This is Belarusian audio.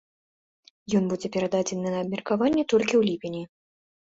Ён будзе перададзены на абмеркаванне толькі ў ліпені.